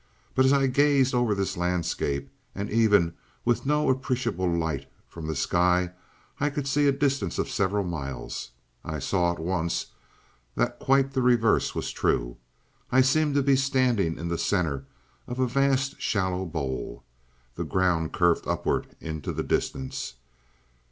But as I gazed over this landscape, and even with no appreciable light from the sky I could see a distance of several miles, I saw at once that quite the reverse was true. I seemed to be standing in the center of a vast shallow bowl. The ground curved upward into the distance.